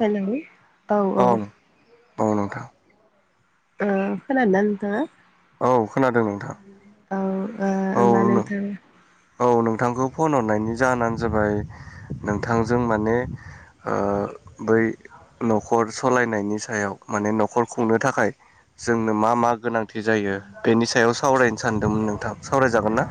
Hello औ औ। औ नोंथां। ओ खोनादों ना नोंथाङा? औ खोनादों नोंथां। औ ओ औ होमबा नोंथां। औ नोंथांखौ फन हरनायनि जाहोनानो जाबाय नोंथांजों माने ओ बै न'खर सलायनायनि सायाव माने न'खर खुंनो थाखाय जोंनो मा मा गोनांथि जायो बेनि सायाव सावरायनो सानदोंमोन नोंथां सावरायजागोन ना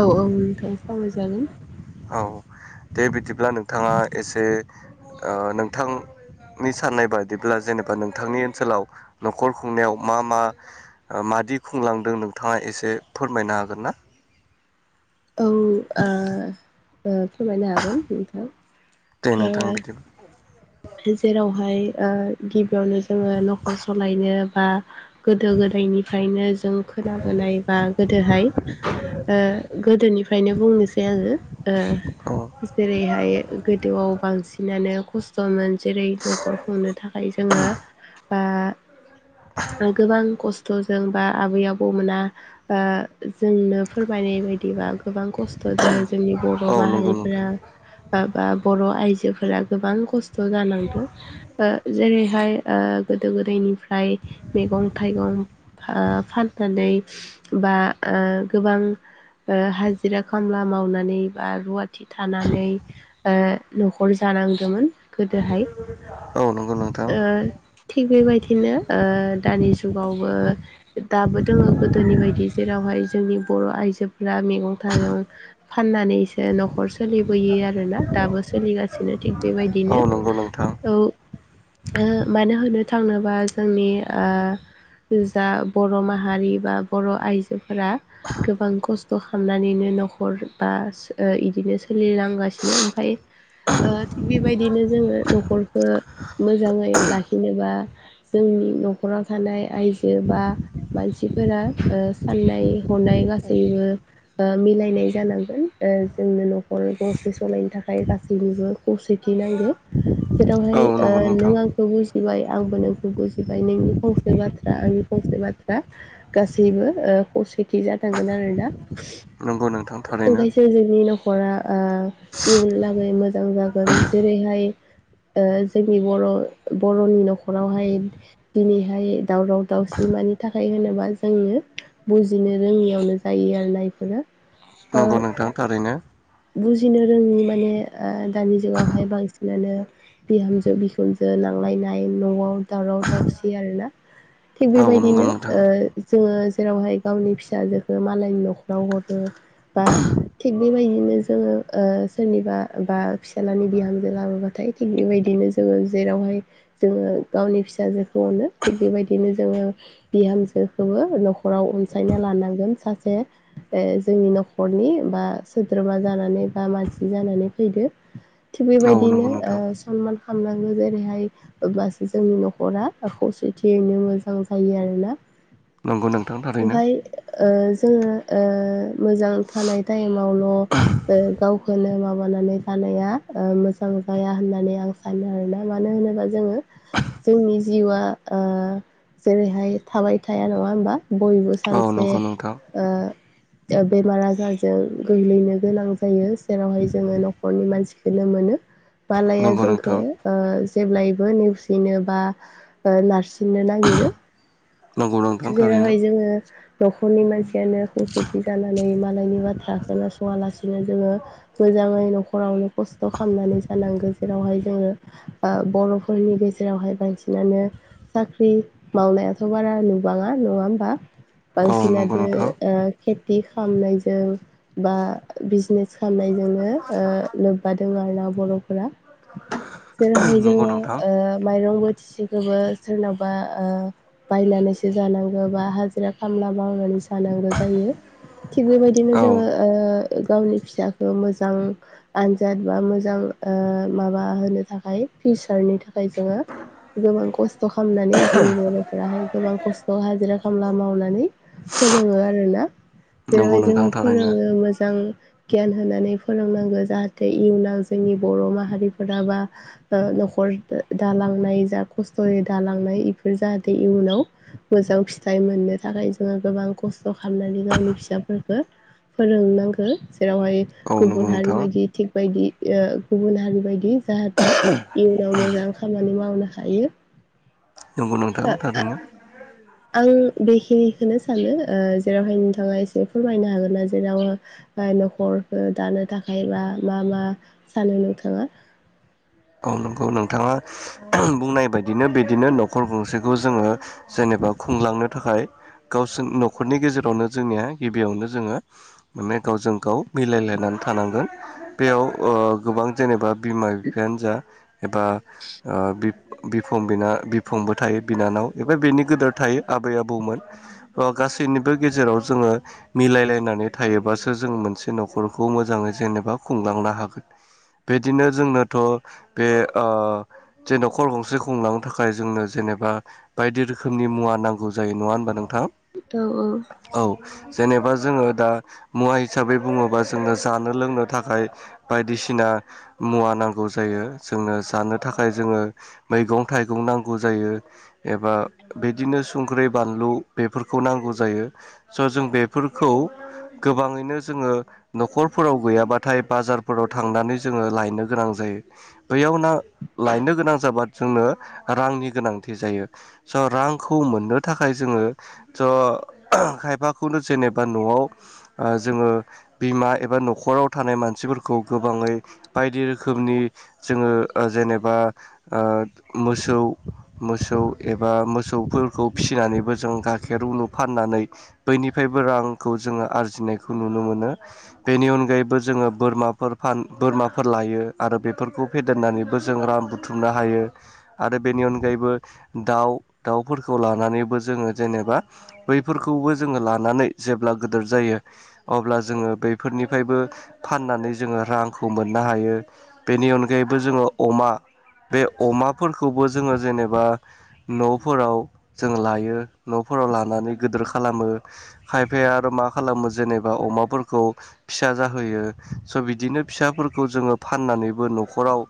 औ औ नोंथां सावरायजागोन। औ दे बिदिब्ला नोंथाङा एसे ओ नोंथां -नि साननाय बादिब्ला जेनेबा नोंथांनि ओनसोलाव न'खर खुंनायाव मा मा मा बादि खुंलांदों नोंथाङा एसे फोरमायनो हागोन ना? औ आ। फोरमायनो हागोन नोंथां दे नोंथां आ बिदिब्ला जेरावहाय ओ गिबियावनो जोङो न'खर सलायनो बा गोदो गोदायनिफ्रायनो जों खोनाबोनाय बा गोदोहाय ओ गोदोनिफ्रायनो बुंनोसै आङो ओ औ जेरैहाय गोदोआव बांसिनानो खस्थ' मोन जेरै न'खर खुंनो थाखाय जोङो बा गोबां खस्थ'जों बा आबै आबौमोना आ जोंनो फोरमायनाय बायदिबा गोबां खस्थ'दो जोंनि बर' औ नंगौ नोंथां माहारिफोरा बा बर' आइजो -फोरा गोबां खस्थ' जानांदों ओ जेरैहाय ओ गोदो गोदायनिफ्राय मैगं थाइगं फा फाननानै बा गोबां ओ हाजिरा खामला मावनानै बा रुवाथि थानानै ओ न'खर जानांदोंमोन गोदोहाय अ' नंगौ नोंथा। ओ थिग बेबायदिनो ओ दानि जुगावबो दाबो दङो गोदो -नि बायदि जेरावहाय जोंनि बर' आइजोफोरा मैगं थाइगं फाननानैसो न'खर सोलिबोयो आरोना दाबो सोलिगासिनो थिग औ बेबायदिनो नंगौ नोंथां औ ओ मानो होनो थाङोबा जोंनि ओ जा बर' माहारि बा बर' आइजोफोरा गोबां खस थ' खालामनानैनो न'खर बा ओ इदिनो सोलिलांगासिनो ओमफाय ओ थिग बेबायदिनो जोङो न'खरखौ मोजाङै लाखिनोबा जों जोंनि न'खराव थानाय आइजो बा मानसिफोरा ओ साननाय हनाय गासैबो ओ मिलायनाय जानांगोन ओ जोंनो न'खर गंसे सलायनो थाखाय गासैनिबो खौ -सेोथि नांगो जेरावहाय औ ओ नंगौ नों नोंथां आंखौ बुजि -बाय आंबो नोंखौ बुजिबाय नोंनि फंसे बाथ्रा आंनि फंसे बाथ्रा गासैबो ओ खौसेथि जाथांगोन आरोना नोंगौ नों ओंखायसो जोंनि न'खरा ओ इयुन लागै मोजां जागोन जेरैहाय ओ जोंनि बर' बर'नि न'खरावहाय दिनैहाय दावराव दावसिन मानि थाखाय होनोबा जोङो बुजिनो रोङियावनो जायो आरोना इफोरो ओ औ नोंथां थारैनो बुजिनो रोङि माने ओ दानि जुगावहाय बांसिनानो बिहामजो बिखुनजो नांलायनाय न'आव दावराव दावसि आरोना थिग औ नंगौ बेबायदिनो नोंथां जोङो जेरावहाय गावनि फिसाजोखौ मालायनि न'खराव हरो बा थिग बेबायदिनो जोङो सोरनिबा बा फिसाजलानि बिहामजो लाबोबाथाय थिग बेबायदिनो जोङो जेराव जोङो गावनि फिसाजोखौ अनो थिग बेबायदिनो जोङो बिहामजो हो नाव अनसायना लांगोन सासे जोंनि न'नि बा सोद्रोमा जानानै बा मानसि जानानै फैदो थिग औ बेबायदिनो नंगौ नोंथां समान खालामनांगौ जेरैहाय हब्लासो जोंनि न'खरा खौसेथियैनो मोजां जायो आरोना नंगौ नोंथां थारैनो ओमफाय जोङो मोजां थानाय टाइमावल' गावखौल माब माबानानै जानाया मोजां जाया होननानै आं सानो आरोना मानो होनोबा जोङो जोंनि जिउआ जेरैहाय थाबाय थाया नङा होमबा बयबो औ सानसे नंगौ नोंथां बेमार आजारजों गोग्लैनो गोनां जायो जेरावहाय जोङो न'खरनि मानसिखनो मोनो मालाया नंगौ जोंखौ नोंथां जेब्लायबो नेवसिनो बा नारसिननो नागिरो नंगौ नोंथां थारैनो जेरावहाय जोङो न'खरनि मानसियानो खौसेथि जानानै मालायनि बाथ्रा खोनासंङालासिनो जोङो मोजाङै न'खरावनो खस्थ' खालामनानै जानांगो जेरावहाय जोङो बर'फोरनि गेजेरावहाय बांसिनानो साख्रि मावनायाथ' बारा नु नुबाङा नङा होमबा औ नंगौ बांसिनादे नोंथां खालामनायजों बा बिजनेस सनायजोंनो लोब्बादों आरोना बर'फोरा जेरावहाय नंगौ जोङो नोंथां माइरं ब बोथिसे खौबो सोरनावबा बायनानै जानांगौ बा हाजिरा खामला मावनानै जानांगौ जायो थिग बेबायदिनो औ जोङो गावनि फिसाखौ मोजां आनजाद बा मोजां माबा होनो थाखाय फिउसारनि थाखाय जोङो गोबां खस्थ' खालामनानै जोंनि बर'फोराहाय गोबां खस्थ' हाजिरा खामला मावनानै फोरोङो आरो ना नंगौ जेरैहाय नोंथां जोङो थारैनो फोरोङो मोजां गियान होनानै फोरोंनांगौ जाहाथे इयुनाव जोंनि बर' माहारिफोरा बा नखर न'खर दालांनाय जा खस्थ'यै दालांनाय बेफोर जाहाथे इयुनाव मोजां फिथाइ मोननो थाखाय जोङो गोबां खस्थ' खालामनानै गावनि फिसाफोरखौ फोरोंनांगौ जेरावहाय औ नंगौ गुबुन हारि नोंथां बायदि थिग बायदि गुबुन हारि बायदि जाहाथे इयुनाव मोजां खामानि मावनो हायो नोंगौ ओ नांथारोन थारैनो आं बेखिनिखौनो सानो जेरावहाय नोंथाङा एसे फोरमायनो हागोन ना जेराव न'खरखौ दानो थाखाय मा मा मा सानो नोंथाङा [inaudible] औ नंगौ नोंथाङा बुंनाय बायदिनो बिदिनो न'खर गंसेखौ जोङो जेनेबा एबा खुंलांनो थाखाय गावसोर न'खरनि गेजेरावनो जोंनिया गिबियावनो जोङो माने गावजों गाव मिलायलायनानै थानांगोन बेयाव ओ गोबां जेनेबा बिमा बिफायानो जा एबा बिफ-बिफंबो थायो बिनानाव एबा नि गोदर थायो आबै आबौमोन गासैनिबो गेजेराव जोङो मिलायलायनानै थायो। एबा जों मोनसे न'खर खौ जेनेबा खुंलांलो हागोन बिदिनो जों थ' बे ओ जे नखर गंसे खुंलांनो थाखाय जोंनो जेनेबा बायदि रोखोमनि मुवा नांगौ जायो नङा होनबा नोंथां? औ औ। औ जेनेबा जोङो दा मुवा हिसाबै बुङोबा जोङो जानो लोंनो थाखाय बायदिसिना बायदिसिना मुवा नांगौ गौ जायो जोंनो जानो थाखाय जोङो मैगं थाइगं नांगौ जायो एबा बिदिनो संख्रै, बानलु गोबाङैनो जोङो न'खरफोराव गैयाबाथाय बाजारफोराव थांनानै जोङो लायनो गोनां जायो। जायो बैयाव नो लायनो गोनां जाबा जोंनो रांनि गोनांथि जायो। रांखौ मोननो थाखाय जोङो स' खायफाखौनो जेनेबा न'आव ओ जोङो बिमा एबा न'खराव थानाय मानसिफोरखौ गोबाङै बायदि रोखोम रोखोमनि जोङो ओ जेनेबा ओ मोसौ मोसौ एबा बा मोसौफोरखौ फिसिनानैबो जों गाइखेर उनु फाननानै बैनिफ्रायबो रांखौ जोङो आरजिनायखौ नुनो मोनो बेनि अनगायैबो जोङो बोरमाफोर फान बोरमाफोर लायो आरो बेफोरखौ फेदेरनानैबो जों रां बुथुमनो हायो आरो बेनि अनगायैबो दाउ दाउफोरखौ लानानैबो जोङो जेनेबा बैफोरखौबो जोङो लानानै जेब्ला गोदोर जा जायो अब्ला जोङो बेफोरनिफायबो फाननानै जोङो रांखौ मोननो हायो। बेनि अनगायैबो जोङो अमा बे अमाफोरखौबो जोङो जेनेबा न'फोराव जों लायो न'फोर फोराव लानानै गोदोर खालामो खायफाया आरो मा खालामो जेनेबा अमाफोरोखौ फिसा जाहोयो स बिदिनो फिसाफोरखौ जोङो फाननानैबो न'खराव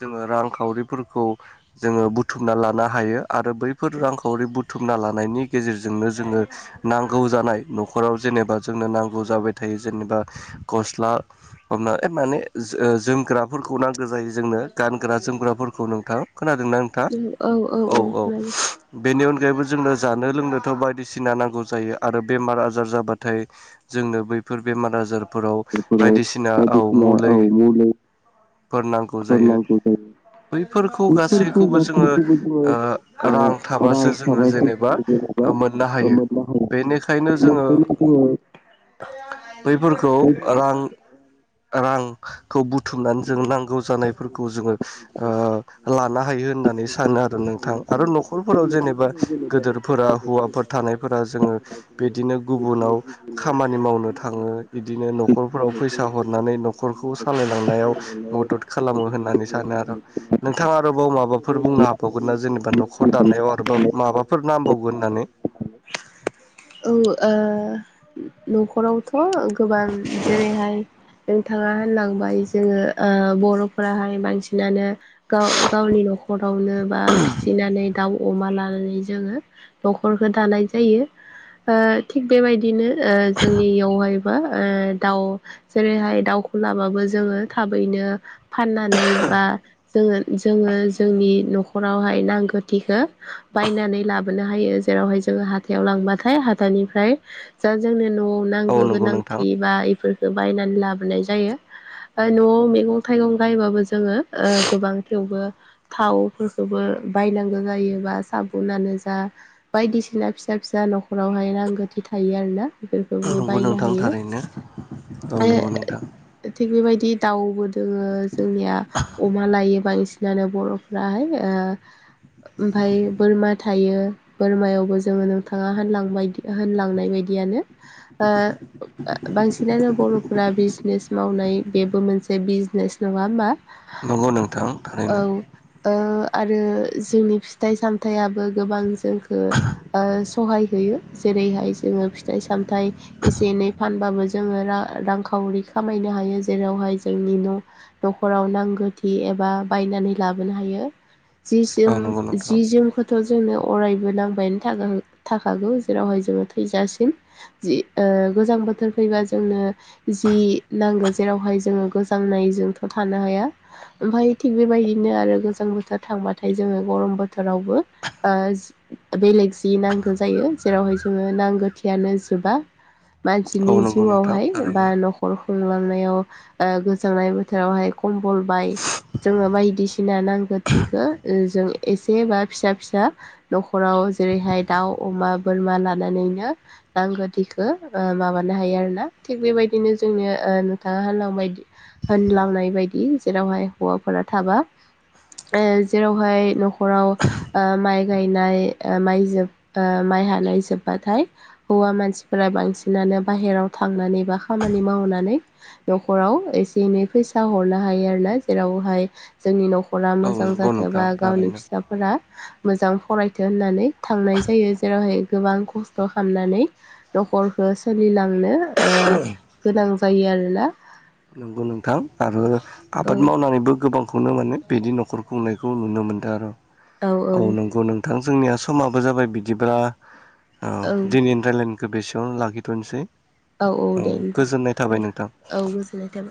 जोङो रांखावरिफोरखौ जोङो बुथुमना लानो हायो आरो बैफोर रांखावरि बुथु बुथुमना लानायनि गेजेरजोंनो जोङो नांगौ जानाय न'खराव जेनेबा जोंनो नांगौ जाबाय थायो। जेनेबा गस्ला हमना ओइ नानै जोमग्राफोरखौ नांगौ जायो जोंनो गानग्रा जोमग्राफोरखौ नोंथां। खोनादोंना नोंथाङा? औ औ। बेनि अनगायैबो जोंनो जानो लोंनोथ बायदिसिना नांगौ जायो आरो बेमार आजार जाबाथाय जों नो बैफोर बेमार आजारफोराव बायदिसिना औ मुलै फोर नांगौ जायो। बैफोरखौ गासैखौबो जोङो ओ रां थाबासो जोङो जेनेबा मोननो हायो बेनिखायनो जोङो खौ रां रांखौ बुथ बुथुमनानै जों नांगौ जानायफोरखौ जोङो ओलानो हायो होननानै सानो आरो नोंथां। आरो न'खरफोराव जेनेबा गोदोर फोरा हौवाफोर थानायफोरा जोङो बिदिनो न'खरफ्राव फैसा हरनानै नखरखौ सालाय नायाव मदद खालामो होननानै सानो आरो नोंथाङा आरोबाव माबाफोर बुंनो हाबावगोन ना जे जेनेबा न'खर दानायाव आरोबाव माबाफोर औ। ओ न'खरावथ' गोबां जेरैहाय नोंथाङा होनलांबाय जोङो ओ बरफोराहाय बांसिनानो गाव गावनि नखर गावनो बा फिसिनानै दाउ, अमा लानानै जोङो न'खरखौ दानाय जायो। ओ थिग बेबायदिनो ओ जो जोंनियावहाय बा ओ दाउ जेरैहाय दाउखौ लाबाबो जोङो थाबैनो फाननानै बा जोङो जोङो जोंनि नखरावहाय नांगौथिखो बायनानै लाबोनो हायो जेरावहाय जोङो हाथायाव लांबाथाय हाथायनिफ्राय जा जोंनो ना औ नांगौ नंगौ नोंथां गोनांथि बा इफोरखो बायनानै लाबोनाय जायो। ओ न'आव मैगं थाइगं गायबाबो जोङो ओ गोबां थेवबो थावफोरखोबो बायनांगौ जायोबा साबुनानो जा बायदिसिना फिसा फिसा नख'रावहाय नांगौथि थायो आरोना। बेफोरखौबो नंगौ बायनो नोंथां हायो थारैनो औ नंगौ नोंथां थिग बेबायदि दाउबो दोङो जोंनिया अमा लायो बांसिन जानो बर'फ्राहाय ओ ओमफ्राय बोरमा थायो बोरमायावबो जोङो नोंथाङा होनलांबाय होनलांनाय बायदियानो। ओ बांसिनानो बर'फोरा बिजनेस मावनाय बेबो मोनसे बिज बिजनेस नङा होमबा नंगौ नोंथां औ। थारैनो ओ आरो जोंनि फिथाइ सामथायाइयाबो गोबां जोंखो ओ सहाय होयो जेरैहाय जोङो फिथाइ सामथाइ एसे एनै फानबाबो जोङो रां रांखावरि खामायनो हायो जेरावहाय जोंनि न' न'खराव नांगौथि एबा बायनानै लाबोनो हायो। जि जोम औ नंगौ नोंथां जि जोमखौथ' जोंनो अरायबो नांबायानो थागोन थाखागौ जेरावहाय जोङो थैजासिम जि ओ गोजां बोथोर फैबा जोंनो जि नांगौ जेरावहाय जोङो गोजां नायजोंथ' थानो हाया ओमफ्राय थि बेबायदिनो आरो गोजां बोथोर थांबाथाय जोङो गरम बोथोर थोरावबो ओ बेलेग जि नांगौ जायो जेरावहाय जोङो नांगौ थियानो जोबा औ मानसिनि नंगौ नोंथां जिउआवहाय बा थारैनो न'खर खुंलांनायाव गोजांनाय बोथोरावहाय कम्बल बाय जोङो बायदिसिना नांगो थिखो ओ जों एसेबा फिसा फिसा [unintelligible] न'खराव जेरैहाय दाउ अमा बोरमा लानानैनो नांगौथिखौ ओ माबानो हायो आरोना थिग बेबायदिनो जोंनि नोंथाङा होनलांबाय होनलांनाय बायदि जेरावहाय हौवाफोरा थाबा ओ जेरावहाय न'खराव ओ माइ गायनाय माइ जोब ओ माय हानाय जोबबाथाय हौवा मानसिफोरा बांसिनानो बाहेराव थांनानै बा खामानि मावनानै न'खराव एसे एनै फैसा हरनो हायो आरोना जेरावहाय जोंनि न'खर नख'रा औ मोजां नंगौ नोंथां जाथोबा गावनि थारैनो फिसाफोरा मोजां फरायथों होननानै थांनाय जायो जेरावहाय गोबां खस्थ' खामना नानै नख'रखौ सोलिलांनो ओ गोनां जायो आरोना। नंगौ नोंथां आरो औ आबाद मावनानैबो गोबां खौनो माने बिदि न'खर खुंनायखौ नुनो मोन्दों आरो औ नंगौ नोंथां। जोंनिया समाबो जाबाय बिदिबा औ दिनैनि रायलायनाय एसेयावनो लाखिथ'नोसै औ दे नोंथां गोजोननाय थाबाय नोंथां। औ गोजोननाय थाबाय